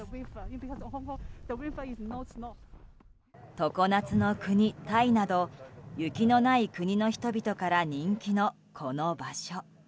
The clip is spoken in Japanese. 常夏の国タイなど雪のない国の人々から人気のこの場所。